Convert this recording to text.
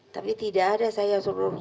tapi tidak ada saya seluruhnya